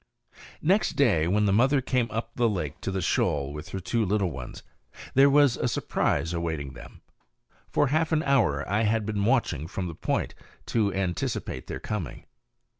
Next day, when the mother came up the lake to the shoal with her two little ones, there was a surprise awaiting them. For half an hour I had been watching from the point to anticipate their coming.